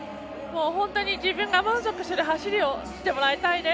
本当に自分が満足する走りをしてもらいたいです。